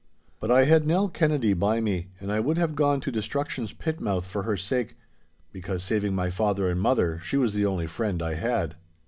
But I had Nell Kennedy by me, and I would have gone to destruction's pit mouth for her sake—because, saving my father and mother, she was the only friend I had.